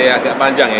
agak panjang ya